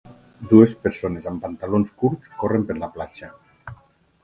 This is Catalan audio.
Dues persones amb pantalons curts corren per la platja.